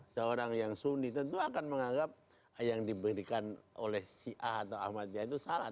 seorang yang sundi tentu akan menganggap yang diberikan oleh si a atau ahmad ya itu salah